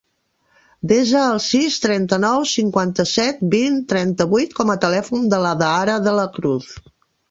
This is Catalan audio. Desa el sis, trenta-nou, cinquanta-set, vint, trenta-vuit com a telèfon de l'Adhara De La Cruz.